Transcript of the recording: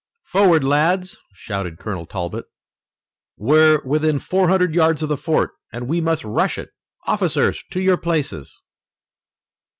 "Forward, lads!" shouted Colonel Talbot. "We're within four hundred yards of the fort, and we must rush it! Officers, to your places!"